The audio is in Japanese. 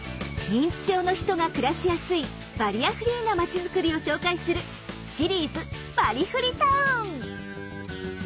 認知症の人が暮らしやすいバリアフリーな町づくりを紹介するシリーズ「バリフリ・タウン」。